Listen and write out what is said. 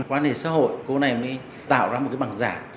qua mối quan hệ xã hội cô này mới tạo ra một cái bằng giả